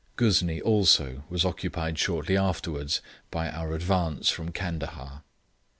Ghuznee also was occupied shortly afterwards by our advance from Candahar.